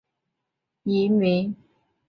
莱利鳄的目前状态为疑名。